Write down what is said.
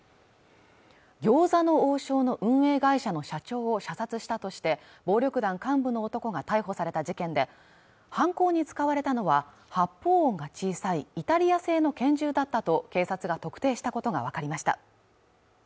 餃子の王将の運営会社の社長を射殺したとして暴力団幹部の男が逮捕された事件で犯行に使われたのは発砲音が小さいイタリア製の拳銃だったと警察が特定したことが分かりました